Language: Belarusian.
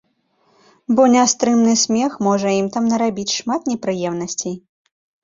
Бо нястрымны смех можа ім там нарабіць шмат непрыемнасцей.